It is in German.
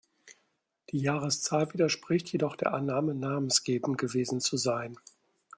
Die Jahreszahl widerspricht jedoch der Annahme, namensgebend gewesen zu sein.